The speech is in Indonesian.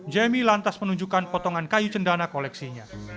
jemi lantas menunjukkan potongan kayu cendana koleksinya